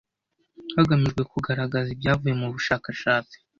hagamijwe kugaragaza ibyavuye mu bushakashatsi